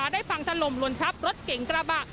ได้ฟังทะลมลนชับรถเก่งกระบะ